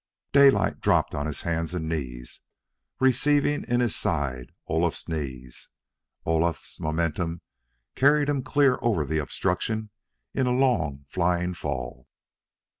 Daylight dropped on his hands and knees, receiving in his side Olaf's knees. Olaf's momentum carried him clear over the obstruction in a long, flying fall.